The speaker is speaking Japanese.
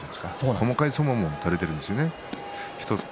重たい相撲が取れているんですよね。